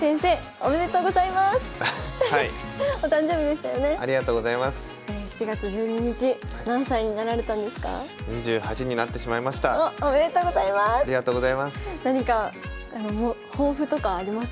ありがとうございます。